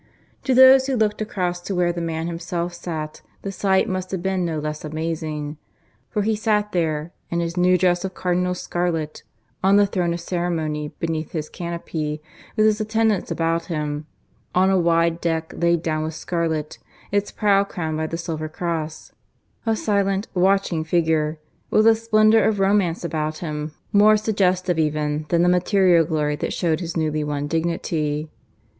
To those who looked across to where the man himself sat the sight must have been no less amazing. For he sat there, in his new dress of Cardinal's scarlet, on the throne of ceremony beneath his canopy with his attendants about him, on a wide deck laid down with scarlet, its prow crowned by the silver cross a silent watching figure, with a splendour of romance about him more suggestive even than the material glory that showed his newly won dignity.